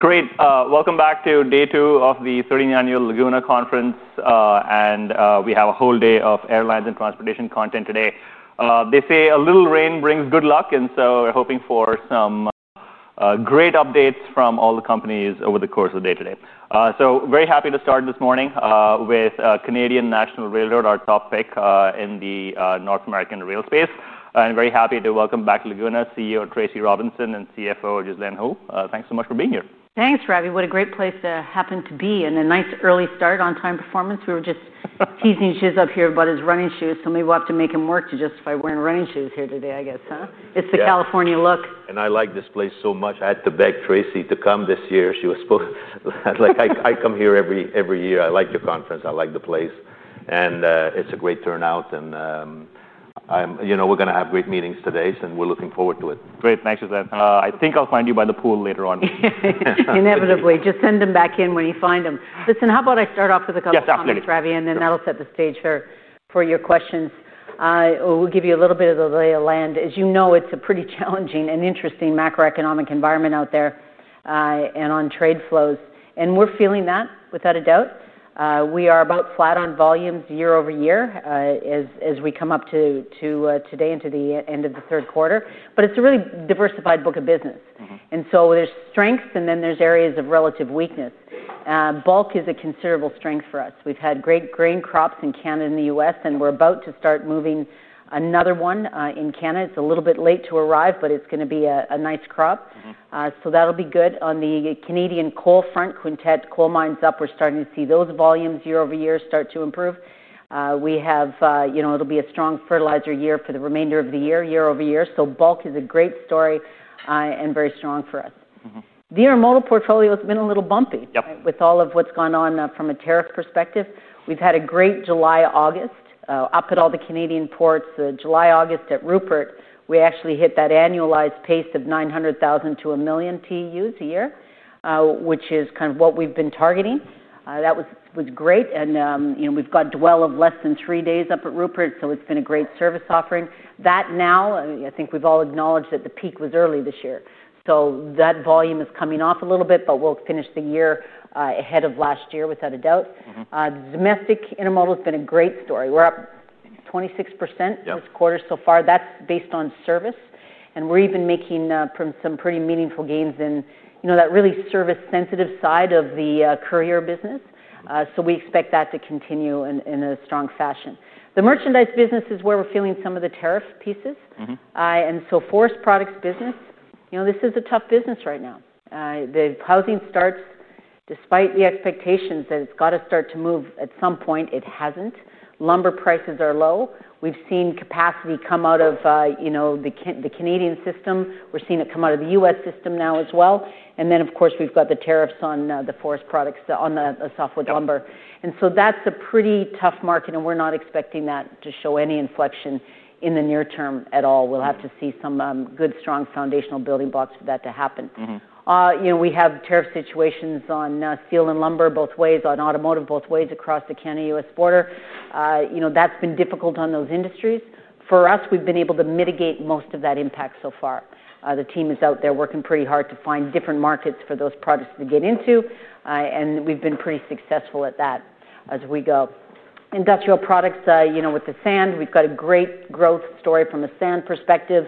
Great. Welcome back to day two of the 39-year Laguna Conference. We have a whole day of airlines and transportation content today. They say a little rain brings good luck. We're hoping for some great updates from all the companies over the course of the day today. Very happy to start this morning with Canadian National Railway Company, our top pick in the North American rail space. Very happy to welcome back to Laguna CEO Tracy Robinson and CFO Ghislain Houle. Thanks so much for being here. Thanks, Ravi. What a great place to happen to be, and a nice early start on time performance. We were just teasing shoes up here about his running shoes. Maybe we'll have to make him work to justify wearing running shoes here today, I guess. It's the California look. I like this place so much. I had to beg Tracy to come this year. She was supposed to. I come here every year. I like your conference. I like the place. It's a great turnout, and we're going to have great meetings today. We're looking forward to it. Great, thanks for that. I think I'll find you by the pool later on. Inevitably. Just send him back in when you find him. Listen, how about I start off with a couple of topics, Ravi? That'll set the stage for your questions. We'll give you a little bit of the lay of the land. As you know, it's a pretty challenging and interesting macroeconomic environment out there, and on trade flows. We're feeling that, without a doubt. We are about flat on volumes year over year as we come up to today and to the end of the third quarter. It's a really diversified book of business. There's strengths, and then there's areas of relative weakness. Bulk is a considerable strength for us. We've had great grain crops in Canada and the United States. We're about to start moving another one in Canada. It's a little bit late to arrive, but it's going to be a nice crop. That'll be good. On the Canadian coal front, Quintette Coal Mine is up. We're starting to see those volumes year over year start to improve. It'll be a strong fertilizer year for the remainder of the year, year over year. Bulk is a great story and very strong for us. The intermodal portfolio has been a little bumpy with all of what's gone on from a tariff perspective. We've had a great July-August up at all the Canadian ports. July-August at Prince Rupert, we actually hit that annualized pace of 900,000 to 1 million TEUs a year, which is kind of what we've been targeting. That was great. We've got dwell of less than three days up at Prince Rupert. It's been a great service offering. I think we've all acknowledged that the peak was early this year. That volume is coming off a little bit. We'll finish the year ahead of last year, without a doubt. Domestic intermodal has been a great story. We're up 26% this quarter so far. That's based on service. We're even making some pretty meaningful gains in that really service-sensitive side of the courier business. We expect that to continue in a strong fashion. The merchandise business is where we're feeling some of the tariff pieces. The forest products business, this is a tough business right now. The housing starts, despite the expectations that it's got to start to move at some point, it hasn't. Lumber prices are low. We've seen capacity come out of the Canadian system. We're seeing it come out of the United States system now as well. Of course, we've got the tariffs on the forest products, on the softwood lumber. That's a pretty tough market. We're not expecting that to show any inflection in the near term at all. We'll have to see some good, strong foundational building blocks for that to happen. We have tariff situations on steel and lumber both ways, on automotive both ways across the Canada-U.S. border. That has been difficult on those industries. For us, we've been able to mitigate most of that impact so far. The team is out there working pretty hard to find different markets for those products to get into. We've been pretty successful at that as we go. Industrial products, you know, with the sand, we've got a great growth story from a sand perspective.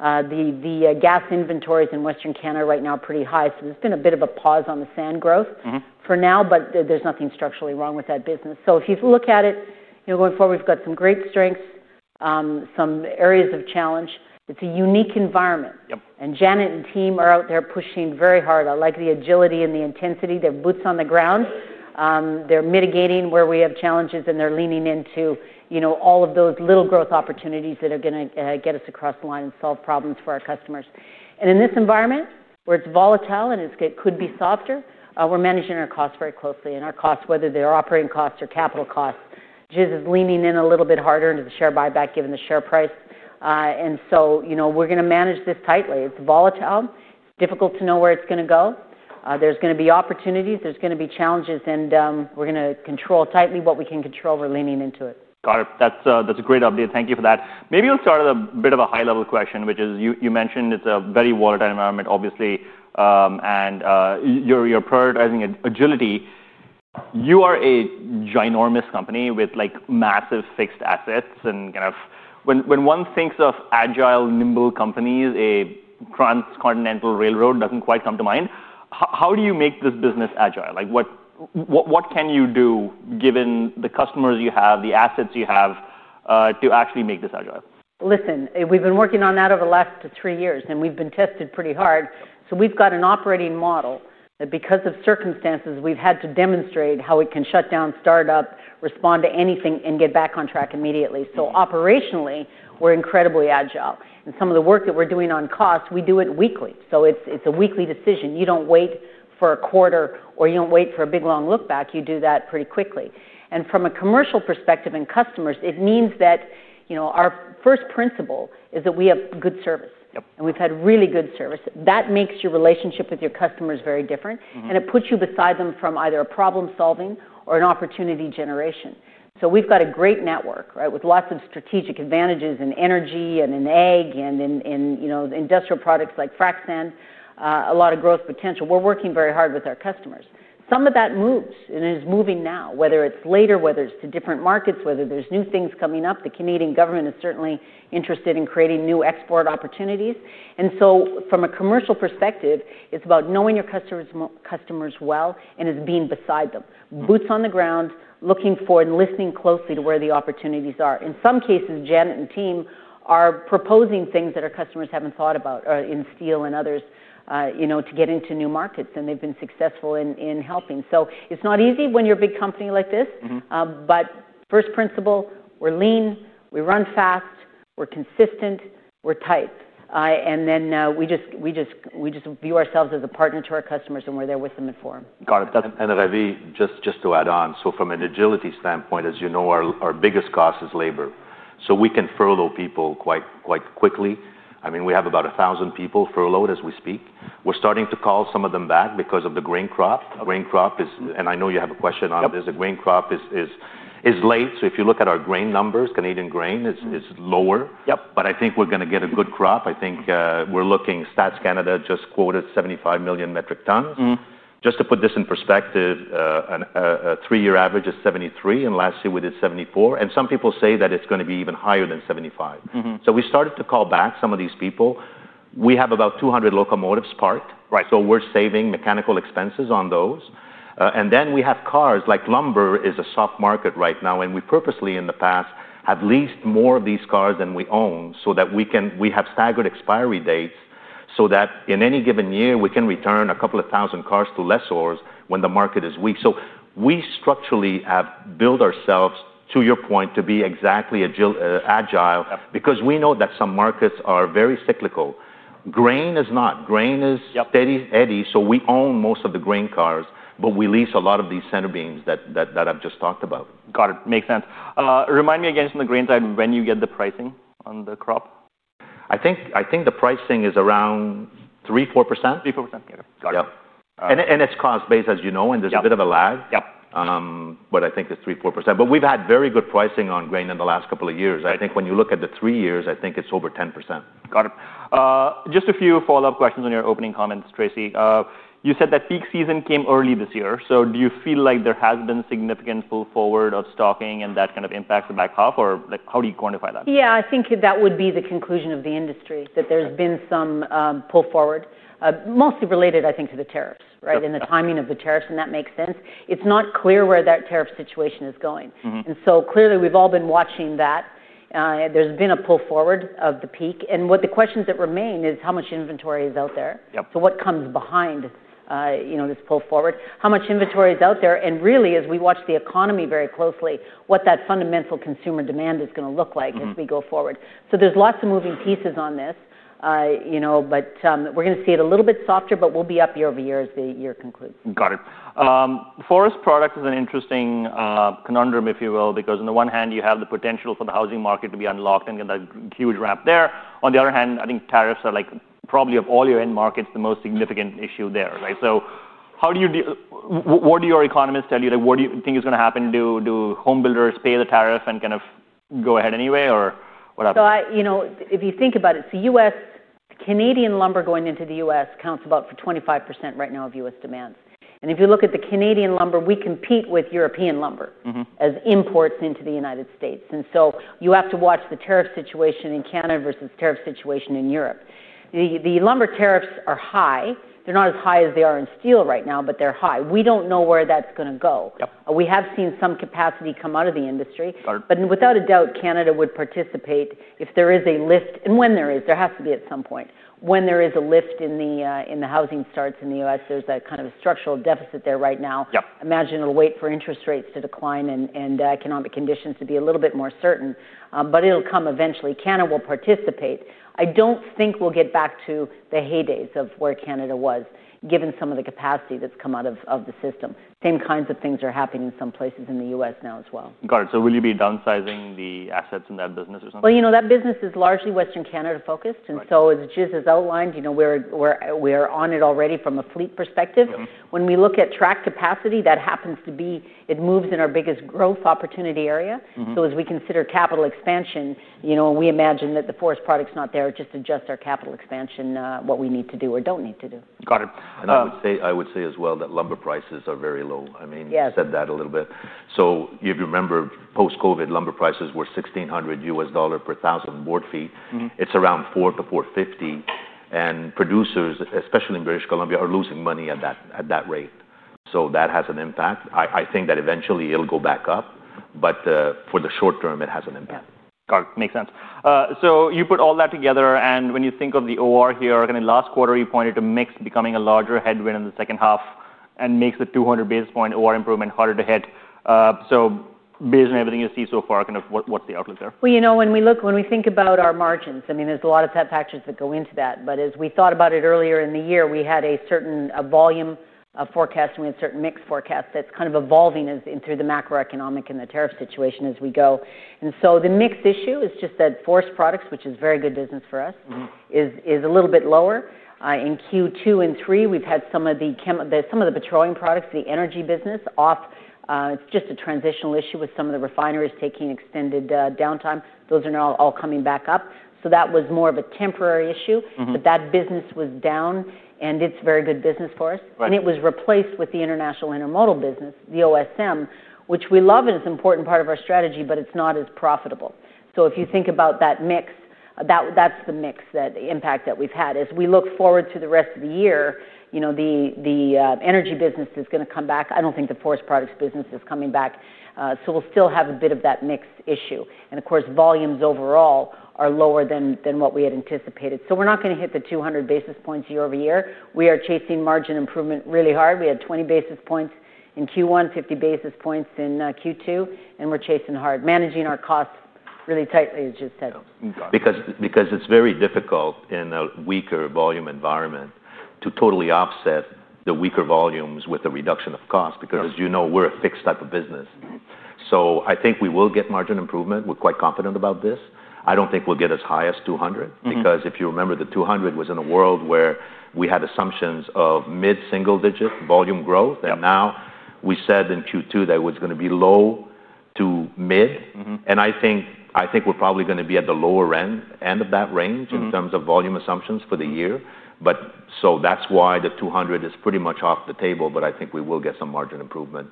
The gas inventories in Western Canada right now are pretty high. There has been a bit of a pause on the sand growth for now, but there's nothing structurally wrong with that business. If you look at it going forward, we've got some great strengths, some areas of challenge. It's a unique environment. Janet and team are out there pushing very hard. I like the agility and the intensity. They're boots on the ground. They're mitigating where we have challenges. They're leaning into all of those little growth opportunities that are going to get us across the line and solve problems for our customers. In this environment, where it's volatile and it could be softer, we're managing our costs very closely. Our costs, whether they're operating costs or capital costs, just leaning in a little bit harder into the share buyback given the share price. We're going to manage this tightly. It's volatile. It's difficult to know where it's going to go. There are going to be opportunities. There are going to be challenges. We're going to control tightly what we can control. We're leaning into it. Got it. That's a great update. Thank you for that. Maybe I'll start with a bit of a high-level question, which is you mentioned it's a very volatile environment, obviously. You're prioritizing agility. You are a ginormous company with massive fixed assets. When one thinks of agile, nimble companies, a transcontinental railroad doesn't quite come to mind. How do you make this business agile? What can you do, given the customers you have, the assets you have, to actually make this agile? Listen, we've been working on that over the last three years, and we've been tested pretty hard. We've got an operating model that, because of circumstances, we've had to demonstrate how it can shut down, start up, respond to anything, and get back on track immediately. Operationally, we're incredibly agile. Some of the work that we're doing on cost, we do it weekly. It's a weekly decision. You don't wait for a quarter or wait for a big, long look back. You do that pretty quickly. From a commercial perspective and customers, it means that our first principle is that we have good service, and we've had really good service. That makes your relationship with your customers very different. It puts you beside them from either a problem-solving or an opportunity generation. We've got a great network with lots of strategic advantages in energy and in ag and in industrial products like frac sand, a lot of growth potential. We're working very hard with our customers. Some of that moves and is moving now, whether it's later, whether it's to different markets, whether there's new things coming up. The Canadian government is certainly interested in creating new export opportunities. From a commercial perspective, it's about knowing your customers well and being beside them, boots on the ground, looking for and listening closely to where the opportunities are. In some cases, Janet and team are proposing things that our customers haven't thought about in steel and others to get into new markets, and they've been successful in helping. It's not easy when you're a big company like this. First principle, we're lean. We run fast. We're consistent. We're tight. We just view ourselves as a partner to our customers, and we're there with them and for them. Got it. Ravi, just to add on, from an agility standpoint, as you know, our biggest cost is labor. We can furlough people quite quickly. We have about 1,000 people furloughed as we speak. We're starting to call some of them back because of the grain crop. I know you have a question on it. The grain crop is late. If you look at our grain numbers, Canadian grain is lower. I think we're going to get a good crop. I think we're looking at Stats Canada just quoted 75 million metric tons. To put this in perspective, a three-year average is 73 million, and last year, we did 74 million. Some people say that it's going to be even higher than 75 million. We started to call back some of these people. We have about 200 locomotives parked, so we're saving mechanical expenses on those. We have cars. Lumber is a soft market right now. We purposely, in the past, have leased more of these cars than we own so that we have staggered expiry dates, so that in any given year, we can return a couple of thousand cars to lessors when the market is weak. We structurally have built ourselves, to your point, to be exactly agile because we know that some markets are very cyclical. Grain is not. Grain is steady, eddy. We own most of the grain cars, but we lease a lot of these center beams that I've just talked about. Got it. Makes sense. Remind me again, from the grain side, when you get the pricing on the crop? I think the pricing is around 3%, 4%. 3%, 4%. Got it. It is cost-based, as you know, and there is a bit of a lag. I think it is 3%, 4%. We have had very good pricing on grain in the last couple of years. I think when you look at the three years, it is over 10%. Got it. Just a few follow-up questions on your opening comments, Tracy. You said that peak season came early this year. Do you feel like there has been significant pull forward of stocking and that kind of impacts the Black Hawk? How do you quantify that? Yeah, I think that would be the conclusion of the industry, that there's been some pull forward, mostly related, I think, to the tariffs and the timing of the tariffs. That makes sense. It's not clear where that tariff situation is going. Clearly, we've all been watching that. There's been a pull forward of the peak. The questions that remain are how much inventory is out there, what comes behind this pull forward, and how much inventory is out there. Really, as we watch the economy very closely, what that fundamental consumer demand is going to look like as we go forward. There are lots of moving pieces on this. We're going to see it a little bit softer, but we'll be up year over year as the year concludes. Forest products is an interesting conundrum, if you will, because on the one hand, you have the potential for the housing market to be unlocked and get that huge ramp there. On the other hand, I think tariffs are probably of all your end markets the most significant issue there. What do your economists tell you? What do you think is going to happen? Do home builders pay the tariff and kind of go ahead anyway? What happens? If you think about it, the Canadian lumber going into the U.S. accounts for about 25% right now of U.S. demand. If you look at the Canadian lumber, we compete with European lumber as imports into the United States. You have to watch the tariff situation in Canada versus the tariff situation in Europe. The lumber tariffs are high. They're not as high as they are in steel right now, but they're high. We don't know where that's going to go. We have seen some capacity come out of the industry. Without a doubt, Canada would participate if there is a lift, and when there is, there has to be at some point. When there is a lift in the housing starts in the U.S., there's kind of a structural deficit there right now. Imagine it'll wait for interest rates to decline and economic conditions to be a little bit more certain, but it'll come eventually. Canada will participate. I don't think we'll get back to the heydays of where Canada was, given some of the capacity that's come out of the system. The same kinds of things are happening in some places in the U.S. now as well. Got it. Will you be downsizing the assets in that business or something? That business is largely Western Canada focused. As outlined, you know we're on it already from a fleet perspective. When we look at track capacity, that happens to be it moves in our biggest growth opportunity area. As we consider capital expansion, you know, and we imagine that the forest products not there, it just adjusts our capital expansion, what we need to do or don't need to do. Got it. I would say as well that lumber prices are very low. You said that a little bit. If you remember, post-COVID, lumber prices were $1,600 per thousand board feet. It's around $400 to $450. Producers, especially in British Columbia, are losing money at that rate. That has an impact. I think that eventually, it'll go back up. For the short term, it has an impact. Got it. Makes sense. You put all that together. When you think of the OR here, last quarter, you pointed to mix becoming a larger headwind in the second half and makes the 200 basis point OR improvement harder to hit. Based on everything you see so far, what's the outlook there? When we look, when we think about our margins, I mean, there's a lot of tech factors that go into that. As we thought about it earlier in the year, we had a certain volume forecast, and we had certain mix forecasts that's kind of evolving through the macroeconomic and the tariff situation as we go. The mix issue is just that forest products, which is very good business for us, is a little bit lower. In Q2 and Q3, we've had some of the petroleum products, the energy business, off. It's just a transitional issue with some of the refineries taking extended downtime. Those are now all coming back up. That was more of a temporary issue, but that business was down, and it's very good business for us. It was replaced with the international intermodal business, the OSM, which we love and is an important part of our strategy, but it's not as profitable. If you think about that mix, that's the impact that we've had. As we look forward to the rest of the year, the energy business is going to come back. I don't think the forest products business is coming back. We'll still have a bit of that mix issue. Of course, volumes overall are lower than what we had anticipated. We're not going to hit the 200 basis points year over year. We are chasing margin improvement really hard. We had 20 basis points in Q1, 50 basis points in Q2, and we're chasing hard, managing our costs really tightly, as you just said. Because it's very difficult in a weaker volume environment to totally offset the weaker volumes with a reduction of cost. As you know, we're a fixed type of business. I think we will get margin improvement. We're quite confident about this. I don't think we'll get as high as 200. If you remember, the 200 was in a world where we had assumptions of mid-single-digit volume growth. Now we said in Q2 that it was going to be low to mid. I think we're probably going to be at the lower end of that range in terms of volume assumptions for the year. That's why the 200 is pretty much off the table. I think we will get some margin improvement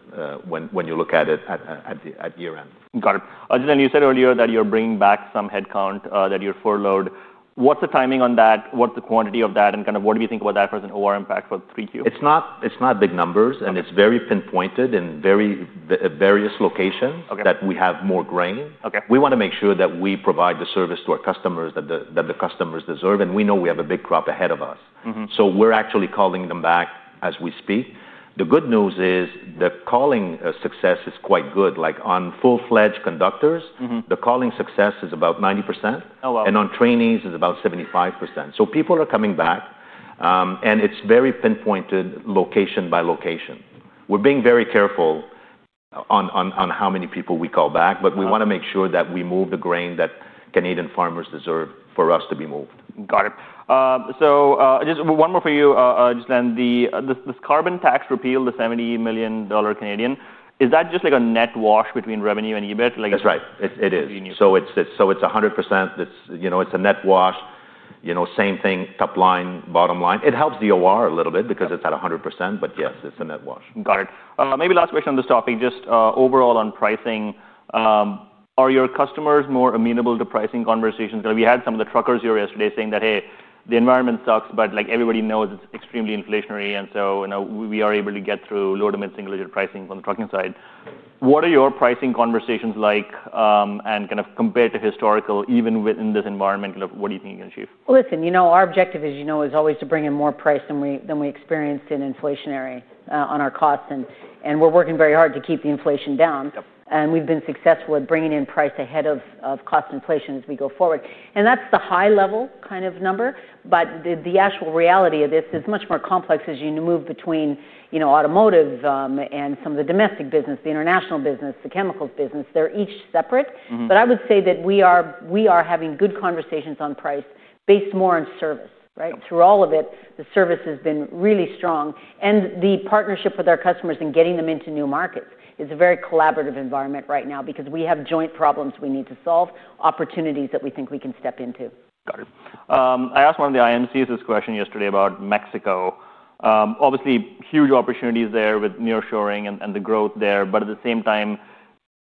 when you look at it at year end. Got it. You said earlier that you're bringing back some headcount that you furloughed. What's the timing on that? What's the quantity of that? What do you think about that as an OR impact for Q3? It's not big numbers, and it's very pinpointed in various locations that we have more grain. We want to make sure that we provide the service to our customers that the customers deserve. We know we have a big crop ahead of us. We're actually calling them back as we speak. The good news is the calling success is quite good. On full-fledged conductors, the calling success is about 90%. On trainees, it's about 75%. People are coming back, and it's very pinpointed location by location. We're being very careful on how many people we call back. We want to make sure that we move the grain that Canadian farmers deserve for us to be moved. Got it. Just one more for you, Ghislain. This carbon tax repeal, the $70 million Canadian, is that just like a net wash between revenue and EBIT? That's right. It is. It's 100%. It's a net wash. Same thing, top line, bottom line. It helps the OR a little bit because it's at 100%, but yes, it's a net wash. Got it. Maybe last question on this topic, just overall on pricing. Are your customers more amenable to pricing conversations? We had some of the truckers here yesterday saying that, hey, the environment sucks. Everybody knows it's extremely inflationary, so we are able to get through low to mid-single-digit pricing on the trucking side. What are your pricing conversations like and kind of compared to historical, even within this environment? What do you think you can achieve? Our objective, as you know, is always to bring in more price than we experienced in inflationary on our costs. We're working very hard to keep the inflation down. We've been successful at bringing in price ahead of cost inflation as we go forward. That's the high-level kind of number. The actual reality of this is much more complex as you move between automotive and some of the domestic business, the international business, the chemicals business. They're each separate. I would say that we are having good conversations on price based more on service. Through all of it, the service has been really strong. The partnership with our customers and getting them into new markets is a very collaborative environment right now because we have joint problems we need to solve, opportunities that we think we can step into. Got it. I asked one of the IMCs this question yesterday about Mexico. Obviously, huge opportunities there with nearshoring and the growth there. At the same time,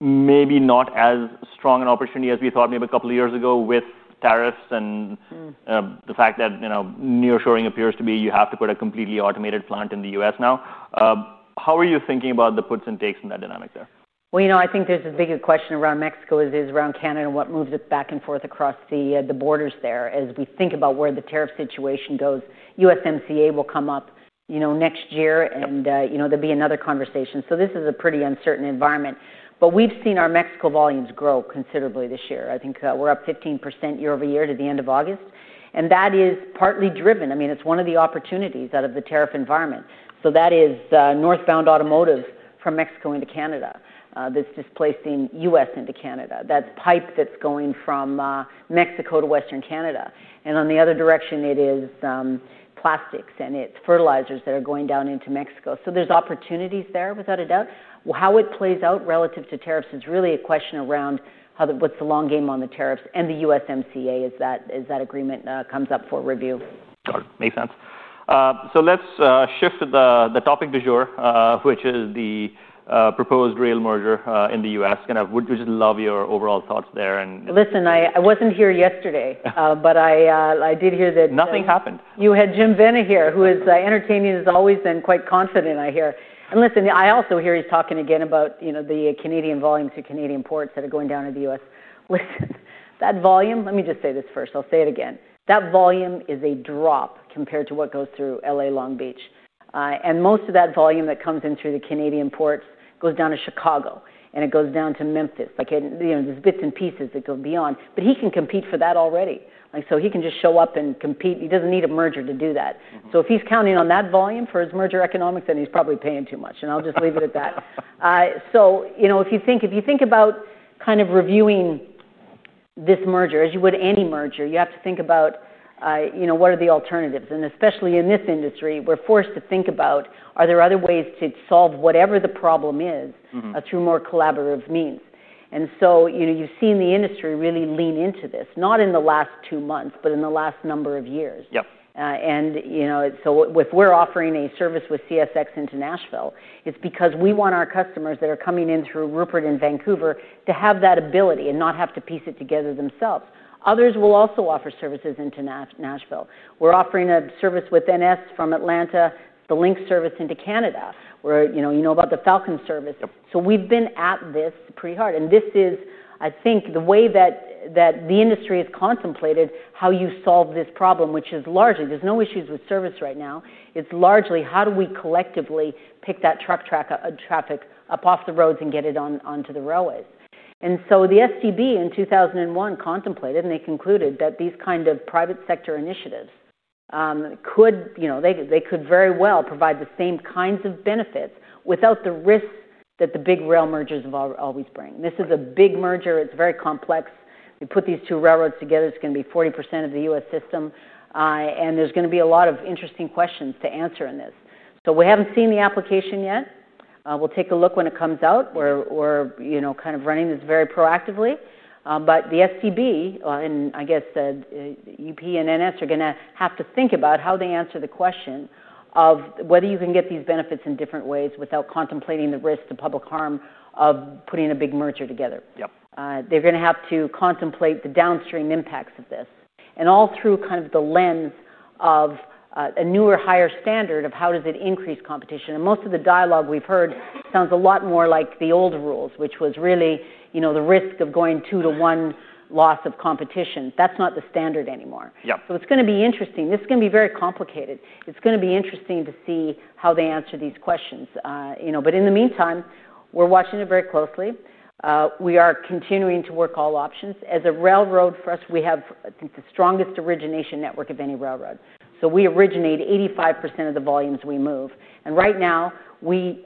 maybe not as strong an opportunity as we thought maybe a couple of years ago with tariffs and the fact that nearshoring appears to be you have to put a completely automated plant in the U.S. now. How are you thinking about the puts and takes in that dynamic there? I think there's a big question around Mexico as is around Canada and what moves it back and forth across the borders there as we think about where the tariff situation goes. USMCA will come up next year, and there'll be another conversation. This is a pretty uncertain environment. We've seen our Mexico volumes grow considerably this year. I think we're up 15% year over year to the end of August, and that is partly driven, I mean, it's one of the opportunities out of the tariff environment. That is northbound automotive from Mexico into Canada that's displacing U.S. into Canada. That's pipe that's going from Mexico to Western Canada. In the other direction, it is plastics and it's fertilizers that are going down into Mexico. There's opportunities there, without a doubt. How it plays out relative to tariffs, it's really a question around what's the long game on the tariffs and the USMCA as that agreement comes up for review. Got it. Makes sense. Let's shift to the topic du jour, which is the proposed rail merger in the U.S. I would just love your overall thoughts there. Listen, I wasn't here yesterday, but I did hear that. Nothing happened. You had Jim Venna here, who is entertaining, as always, and quite confident, I hear. I also hear he's talking again about the Canadian volume to Canadian ports that are going down in the U.S. That volume, let me just say this first. I'll say it again. That volume is a drop compared to what goes through LA and Long Beach. Most of that volume that comes in through the Canadian ports goes down to Chicago, and it goes down to Memphis. There are bits and pieces that go beyond, but he can compete for that already. He can just show up and compete. He doesn't need a merger to do that. If he's counting on that volume for his merger economics, then he's probably paying too much. I'll just leave it at that. If you think about kind of reviewing this merger, as you would any merger, you have to think about what are the alternatives. Especially in this industry, we're forced to think about, are there other ways to solve whatever the problem is through more collaborative means? You've seen the industry really lean into this, not in the last two months, but in the last number of years. We're offering a service with CSX into Nashville because we want our customers that are coming in through Prince Rupert and Vancouver to have that ability and not have to piece it together themselves. Others will also offer services into Nashville. We're offering a service with Norfolk Southern from Atlanta, the link service into Canada. You know about the Falcon Premium service. We've been at this pretty hard, and this is, I think, the way that the industry has contemplated how you solve this problem, which is largely, there are no issues with service right now. It's largely, how do we collectively pick that truck traffic up off the roads and get it onto the railways? The STB in 2001 contemplated, and they concluded that these kind of private sector initiatives could very well provide the same kinds of benefits without the risks that the big rail mergers always bring. This is a big merger. It's very complex. We put these two railroads together, it's going to be 40% of the U.S. system, and there are going to be a lot of interesting questions to answer in this. We haven't seen the application yet. We'll take a look when it comes out. We're kind of running this very proactively. The STB and, I guess, Union Pacific and Norfolk Southern are going to have to think about how they answer the question of whether you can get these benefits in different ways without contemplating the risk to public harm of putting a big merger together. They are going to have to contemplate the downstream impacts of this, all through the lens of a newer, higher standard of how does it increase competition. Most of the dialogue we've heard sounds a lot more like the old rules, which was really the risk of going two to one loss of competition. That's not the standard anymore. It is going to be interesting. This is going to be very complicated. It is going to be interesting to see how they answer these questions. In the meantime, we're watching it very closely. We are continuing to work all options. As a railroad, for us, we have, I think, the strongest origination network of any railroad. We originate 85% of the volumes we move. Right now, we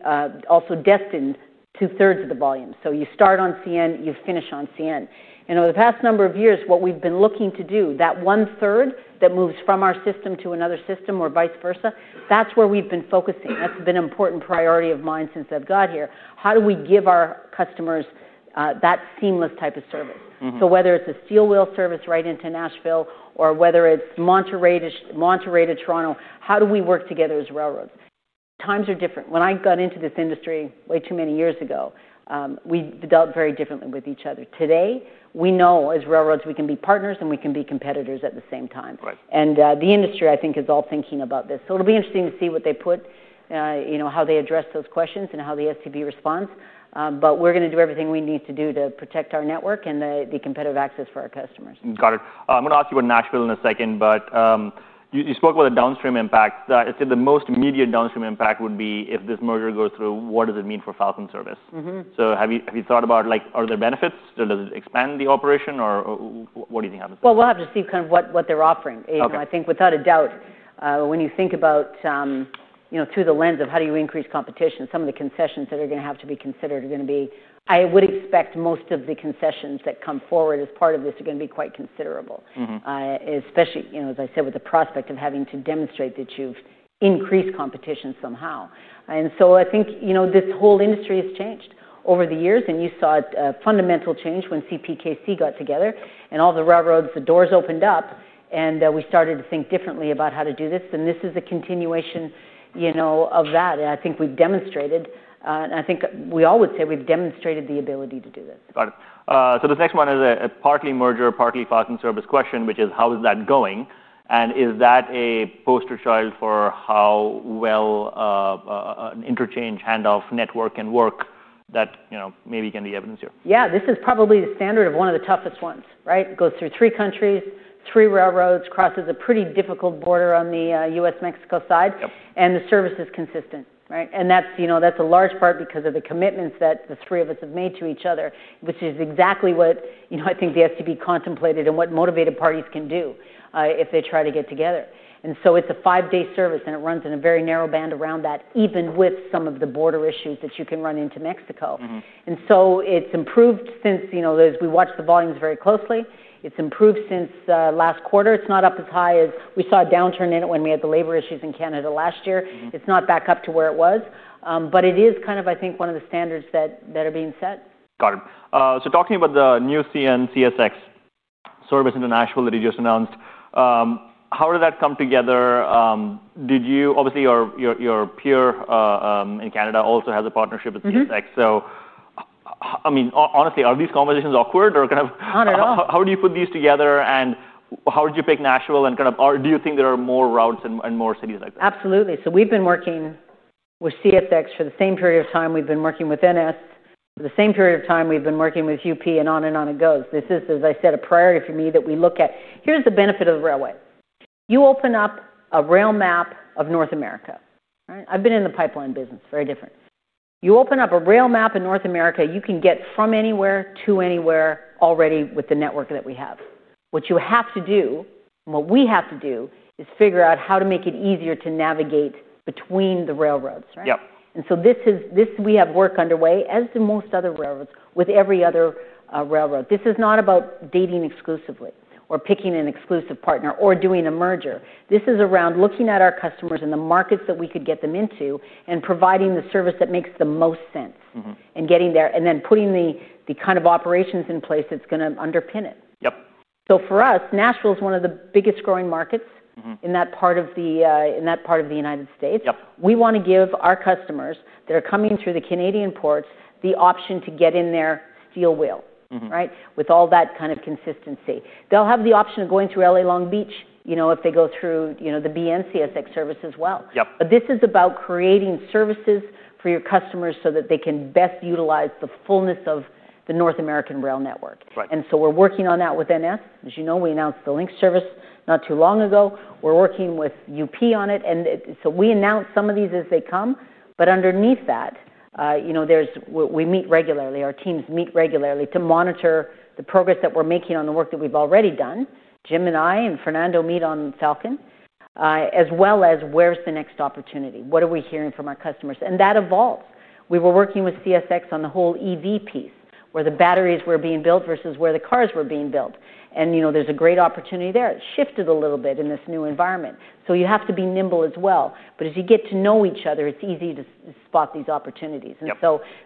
also destined 2/3 of the volume. You start on Canadian National Railway Company. You finish on Canadian National Railway Company. Over the past number of years, what we've been looking to do, that 1/3 that moves from our system to another system or vice versa, that's where we've been focusing. That's been an important priority of mine since I've got here. How do we give our customers that seamless type of service? Whether it's a steel wheel service right into Nashville or whether it's Monterrey to Toronto, how do we work together as railroads? Times are different. When I got into this industry way too many years ago, we dealt very differently with each other. Today, we know as railroads, we can be partners, and we can be competitors at the same time. The industry, I think, is all thinking about this. It will be interesting to see what they put, how they address those questions, and how the STB responds. We are going to do everything we need to do to protect our network and the competitive access for our customers. Got it. I'm going to ask you about Nashville in a second. You spoke about the downstream impacts. I'd say the most immediate downstream impact would be if this merger goes through, what does it mean for Falcon Premium service? Have you thought about, are there benefits? Does it expand the operation? What do you think happens? We have to see kind of what they're offering. I think, without a doubt, when you think about through the lens of how do you increase competition, some of the concessions that are going to have to be considered are going to be, I would expect most of the concessions that come forward as part of this are going to be quite considerable, especially, as I said, with the prospect of having to demonstrate that you've increased competition somehow. I think this whole industry has changed over the years. You saw a fundamental change when CPKC got together. All the railroads, the doors opened up, and we started to think differently about how to do this. This is a continuation of that. I think we've demonstrated, and I think we all would say we've demonstrated the ability to do this. This next one is a partly merger, partly Falcon Premium service question, which is, how is that going? Is that a poster child for how well an interchange handoff network can work that maybe can be evidenced here? Yeah, this is probably the standard of one of the toughest ones. It goes through three countries, three railroads, crosses a pretty difficult border on the U.S.-Mexico side. The service is consistent, and that's a large part because of the commitments that the three of us have made to each other, which is exactly what I think the STB contemplated and what motivated parties can do if they try to get together. It's a five-day service, and it runs in a very narrow band around that, even with some of the border issues that you can run into in Mexico. It's improved since we watch the volumes very closely. It's improved since last quarter. It's not up as high as we saw a downturn in it when we had the labor issues in Canada last year. It's not back up to where it was, but it is kind of, I think, one of the standards that are being set. Got it. Talking about the new CN, CSX service into Nashville that you just announced, how did that come together? Obviously, your peer in Canada also has a partnership with CSX. I mean, honestly, are these conversations awkward? Not at all. How do you put these together? How did you pick Nashville? Do you think there are more routes and more cities like that? Absolutely. We've been working with CSX for the same period of time. We've been working with Norfolk Southern for the same period of time. We've been working with Union Pacific. It goes on and on. This is, as I said, a priority for me that we look at. Here's the benefit of the railway: you open up a rail map of North America. I've been in the pipeline business. Very different. You open up a rail map in North America, you can get from anywhere to anywhere already with the network that we have. What you have to do, and what we have to do, is figure out how to make it easier to navigate between the railroads. We have work underway, as do most other railroads, with every other railroad. This is not about dating exclusively or picking an exclusive partner or doing a merger. This is about looking at our customers and the markets that we could get them into, providing the service that makes the most sense, getting there, and then putting the kind of operations in place that's going to underpin it. For us, Nashville is one of the biggest growing markets in that part of the United States. We want to give our customers that are coming through the Canadian ports the option to get in their steel wheel with all that kind of consistency. They'll have the option of going through LA and Long Beach if they go through the BNSF-CSX service as well. This is about creating services for your customers so that they can best utilize the fullness of the North American rail network. We're working on that with Norfolk Southern. As you know, we announced the link service not too long ago. We're working with Union Pacific on it. We announce some of these as they come. Underneath that, we meet regularly. Our teams meet regularly to monitor the progress that we're making on the work that we've already done. Jim and I and Fernando meet on Falcon Premium, as well as where's the next opportunity. What are we hearing from our customers? That evolves. We were working with CSX on the whole EV piece, where the batteries were being built versus where the cars were being built. There's a great opportunity there. It shifted a little bit in this new environment. You have to be nimble as well. As you get to know each other, it's easy to spot these opportunities.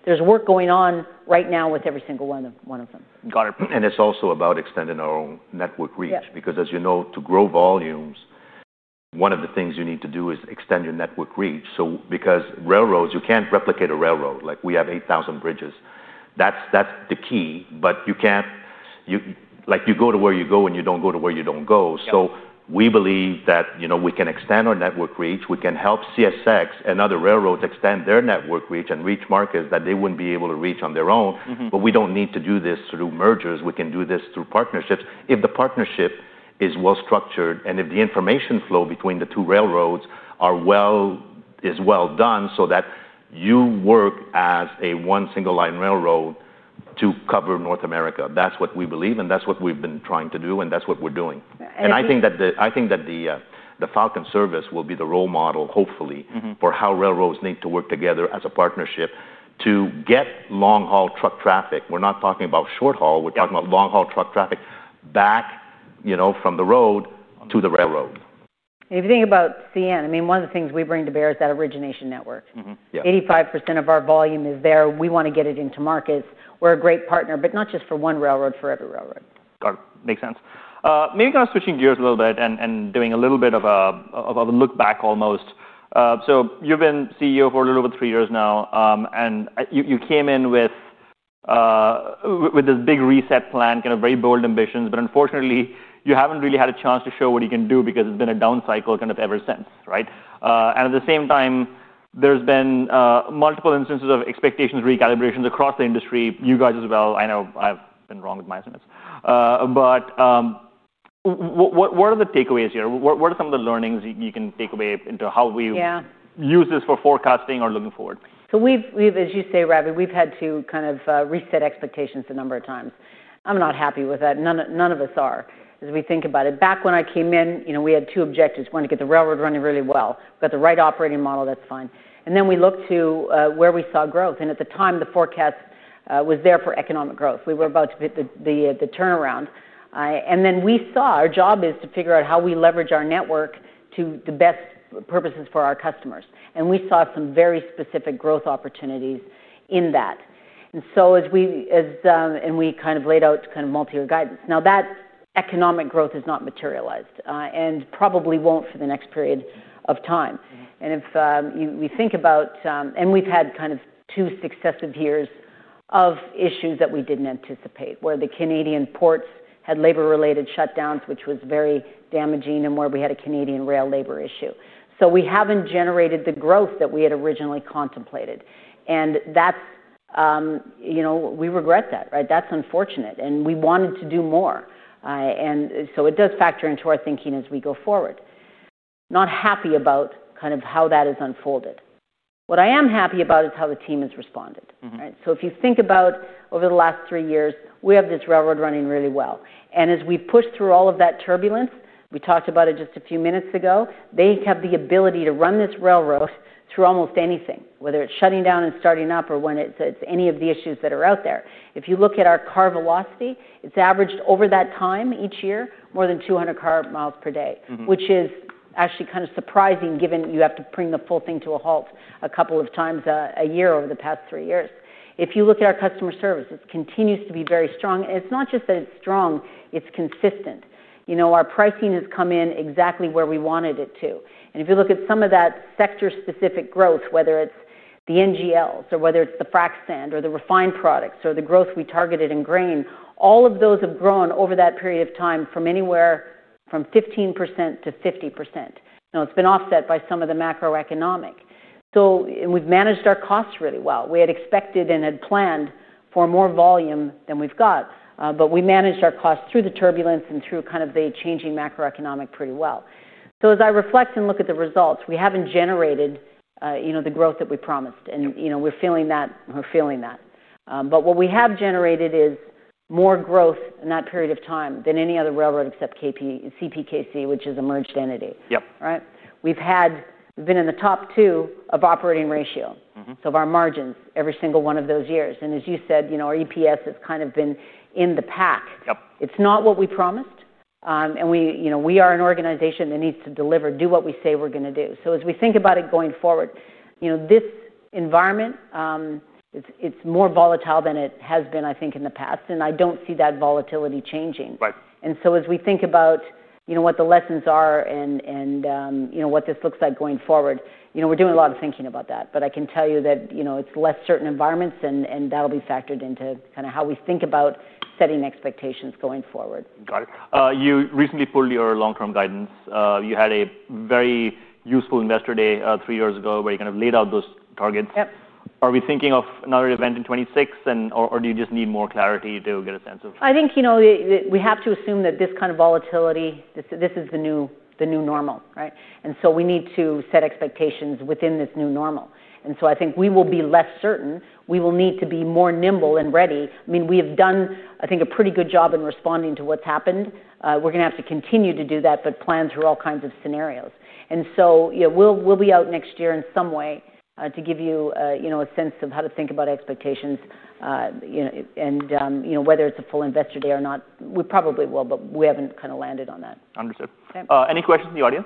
There's work going on right now with every single one of them. Got it. It's also about extending our network reach. As you know, to grow volumes, one of the things you need to do is extend your network reach. Railroads, you can't replicate a railroad. We have 8,000 bridges. That's the key. You go to where you go, and you don't go to where you don't go. We believe that we can extend our network reach. We can help CSX and other railroads extend their network reach and reach markets that they wouldn't be able to reach on their own. We don't need to do this through mergers. We can do this through partnerships if the partnership is well structured and if the information flow between the two railroads is well done so that you work as a one single line railroad to cover North America. That's what we believe. That's what we've been trying to do. That's what we're doing. I think that the Falcon Premium service will be the role model, hopefully, for how railroads need to work together as a partnership to get long-haul truck traffic. We're not talking about short haul. We're talking about long-haul truck traffic back from the road to the railroad. If you think about CN, one of the things we bring to bear is that origination network. 85% of our volume is there. We want to get it into markets. We're a great partner, not just for one railroad, for every railroad. Got it. Makes sense. Maybe kind of switching gears a little bit and doing a little bit of a look back almost. You've been CEO for a little over three years now. You came in with this big reset plan, kind of very bold ambitions. Unfortunately, you haven't really had a chance to show what you can do because it's been a down cycle kind of ever since. At the same time, there's been multiple instances of expectations, recalibrations across the industry, you guys as well. I know I've been wrong with my sentence. What are the takeaways here? What are some of the learnings you can take away into how we use this for forecasting or looking forward? As you say, Ravi, we've had to kind of reset expectations a number of times. I'm not happy with that. None of us are, as we think about it. Back when I came in, we had two objectives. We wanted to get the railroad running really well. We've got the right operating model. That's fine. We looked to where we saw growth. At the time, the forecast was there for economic growth. We were about to be at the turnaround. We saw our job as figuring out how we leverage our network to the best purposes for our customers. We saw some very specific growth opportunities in that. As we laid out kind of multi-year guidance, now that economic growth has not materialized and probably won't for the next period of time, we've had kind of two successive years of issues that we didn't anticipate, where the Canadian ports had labor-related shutdowns, which was very damaging, and where we had a Canadian rail labor issue. We haven't generated the growth that we had originally contemplated. We regret that. That's unfortunate. We wanted to do more. It does factor into our thinking as we go forward. Not happy about how that has unfolded. What I am happy about is how the team has responded. Over the last three years, we have this railroad running really well. As we've pushed through all of that turbulence, we talked about it just a few minutes ago, they have the ability to run this railroad through almost anything, whether it's shutting down and starting up or when it's any of the issues that are out there. If you look at our car velocity, it's averaged over that time each year more than 200 car miles per day, which is actually kind of surprising given you have to bring the full thing to a halt a couple of times a year over the past three years. If you look at our customer service, it continues to be very strong. It's not just that it's strong. It's consistent. Our pricing has come in exactly where we wanted it to. If you look at some of that sector-specific growth, whether it's the NGLs or whether it's the frac sand or the refined products or the growth we targeted in grain, all of those have grown over that period of time from anywhere from 15% to 50%. It's been offset by some of the macroeconomic. We've managed our costs really well. We had expected and had planned for more volume than we've got. We managed our costs through the turbulence and through the changing macroeconomic pretty well. As I reflect and look at the results, we haven't generated the growth that we promised. We're feeling that. We're feeling that. What we have generated is more growth in that period of time than any other railroad except CPKC, which is a merged entity. We've been in the top two of operating ratio, so of our margins every single one of those years. As you said, our EPS has kind of been in the pack. It's not what we promised. We are an organization that needs to deliver, do what we say we're going to do. As we think about it going forward, this environment is more volatile than it has been, I think, in the past. I don't see that volatility changing. As we think about what the lessons are and what this looks like going forward, we're doing a lot of thinking about that. I can tell you that it's less certain environments. That'll be factored into how we think about setting expectations going forward. Got it. You recently pulled your long-term guidance. You had a very useful Investor Day three years ago where you kind of laid out those targets. Are we thinking of another event in 2026? Or do you just need more clarity to get a sense of? I think we have to assume that this kind of volatility is the new normal. We need to set expectations within this new normal. I think we will be less certain. We will need to be more nimble and ready. I mean, we have done, I think, a pretty good job in responding to what's happened. We're going to have to continue to do that, but plan through all kinds of scenarios. We'll be out next year in some way to give you a sense of how to think about expectations. Whether it's a full Investor Day or not, we probably will. We haven't kind of landed on that. Understood. Any questions in the audience?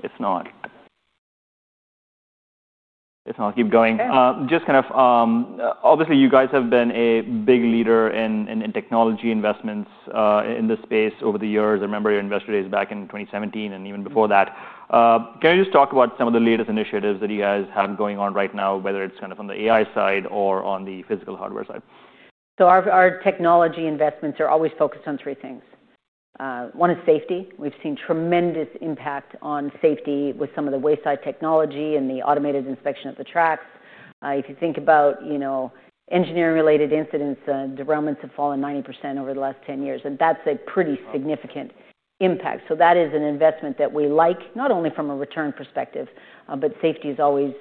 If not, keep going. Obviously, you guys have been a big leader in technology investments in this space over the years. I remember your Investor Days back in 2017 and even before that. Can you just talk about some of the latest initiatives that you guys have going on right now, whether it's on the AI side or on the physical hardware side? Our technology investments are always focused on three things. One is safety. We've seen tremendous impact on safety with some of the wayside technology and the automated inspection of the tracks. If you think about engineering-related incidents, derailments have fallen 90% over the last 10 years. That's a pretty significant impact. That is an investment that we like, not only from a return perspective, but safety is always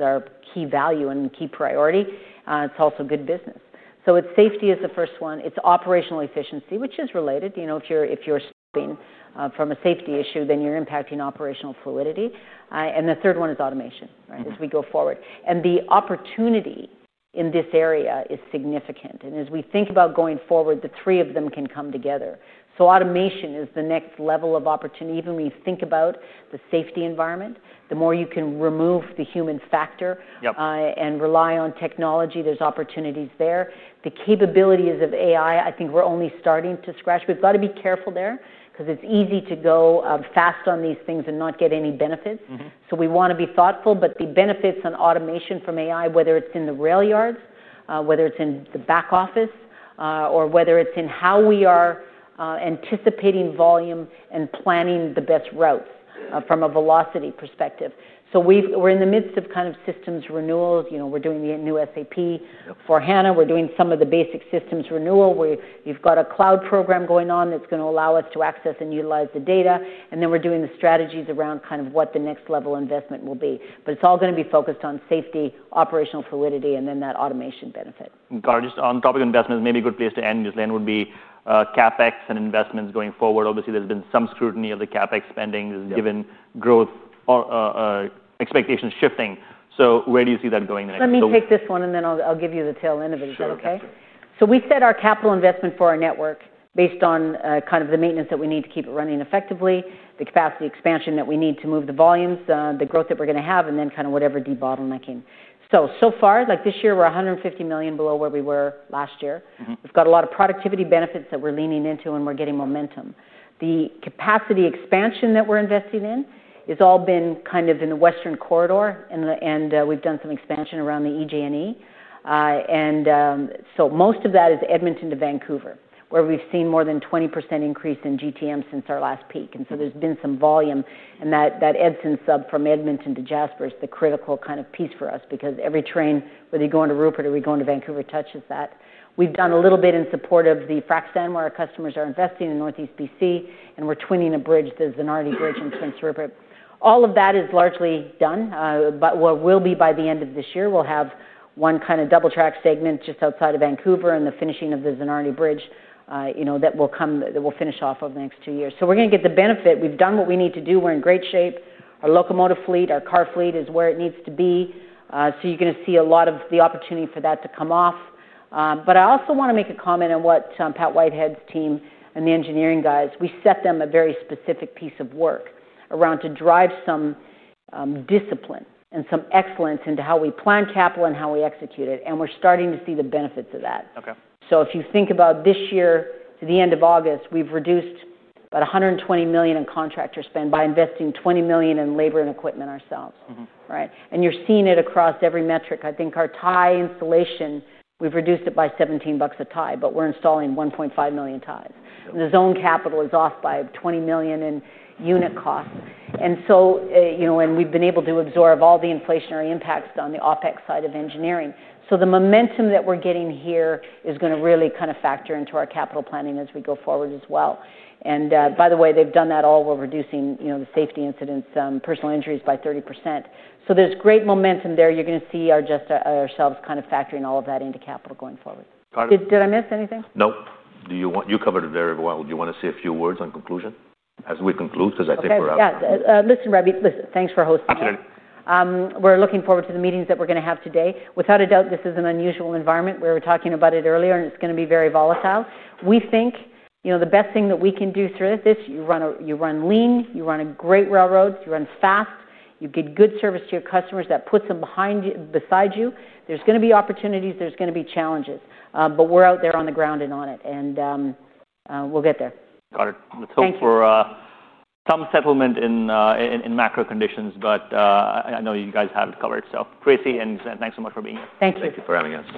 our key value and key priority. It's also good business. With safety as the first one, it's operational efficiency, which is related. If you're slipping from a safety issue, then you're impacting operational fluidity. The third one is automation as we go forward. The opportunity in this area is significant. As we think about going forward, the three of them can come together. Automation is the next level of opportunity. Even when you think about the safety environment, the more you can remove the human factor and rely on technology, there's opportunities there. The capabilities of AI, I think we're only starting to scratch. We've got to be careful there because it's easy to go fast on these things and not get any benefits. We want to be thoughtful. The benefits on automation from AI, whether it's in the rail yards, whether it's in the back office, or whether it's in how we are anticipating volume and planning the best routes from a velocity perspective. We're in the midst of kind of systems renewals. We're doing the new SAP for HANA. We're doing some of the basic systems renewal. You've got a cloud program going on that's going to allow us to access and utilize the data. We're doing the strategies around kind of what the next level investment will be. It's all going to be focused on safety, operational fluidity, and then that automation benefit. Got it. Just on the topic of investments, maybe a good place to end, Ghislain, would be CapEx and investments going forward. Obviously, there's been some scrutiny of the CapEx spending given growth or expectations shifting. Where do you see that going next year? Let me take this one, and then I'll give you the tail end of it. Sure. We set our capital investment for our network based on the maintenance that we need to keep it running effectively, the capacity expansion that we need to move the volumes, the growth that we're going to have, and then whatever debottlenecking I can. So far, like this year, we're $150 million below where we were last year. We've got a lot of productivity benefits that we're leaning into, and we're getting momentum. The capacity expansion that we're investing in has all been in the Western corridor, and we've done some expansion around the EJ&E. Most of that is Edmonton to Vancouver, where we've seen more than a 20% increase in GTM since our last peak. There's been some volume, and that Edson sub from Edmonton to Jasper is the critical piece for us because every train, whether you go into Prince Rupert or you go into Vancouver, touches that. We've done a little bit in support of the frac sand where our customers are investing in Northeast BC, and we're twinning a bridge, the Zanardi Bridge in Spence to Prince Rupert. All of that is largely done. By the end of this year, we'll have one double track segment just outside of Vancouver and the finishing of the Zanardi Bridge that will finish off over the next two years. We're going to get the benefit. We've done what we need to do. We're in great shape. Our locomotive fleet, our car fleet is where it needs to be. You're going to see a lot of the opportunity for that to come off. I also want to make a comment on what Pat Whitehead's team and the engineering guys, we set them a very specific piece of work to drive some discipline and some excellence into how we plan capital and how we execute it, and we're starting to see the benefits of that. If you think about this year to the end of August, we've reduced about $120 million in contractor spend by investing $20 million in labor and equipment ourselves. You're seeing it across every metric. I think our tie installation, we've reduced it by $17 a tie, but we're installing 1.5 million ties. The zone capital is off by $20 million in unit cost, and we've been able to absorb all the inflationary impacts on the OpEx side of engineering. The momentum that we're getting here is going to really factor into our capital planning as we go forward as well. By the way, they've done that all while reducing the safety incidents, personal injuries by 30%. There's great momentum there. You're going to see ourselves factoring all of that into capital going forward. Got it. Did I miss anything? Nope, you covered it very well. Do you want to say a few words on conclusion as we conclude? I think we're out of time. Listen, Ravi, thanks for hosting me. We're looking forward to the meetings that we're going to have today. Without a doubt, this is an unusual environment. We were talking about it earlier. It's going to be very volatile. We think the best thing that we can do through this, you run lean. You run great railroads. You run fast. You get good service to your customers that puts them beside you. There are going to be opportunities. There are going to be challenges. We're out there on the ground and on it. We'll get there. Got it. Let's hope for some settlement in macro conditions. I know you guys have it covered. Tracy, thanks so much for being here. Thank you. Thank you for having us.